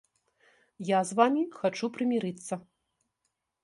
Я з вамі хачу прымірыцца.